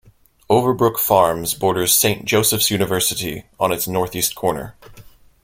Overbrook Farms borders Saint Joseph's University on its northeast corner.